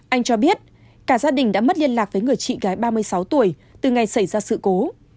anh cho biết cả gia đình đã mất liên lạc với người chị gái ba mươi sáu tuổi từ ngày xảy ra sự cố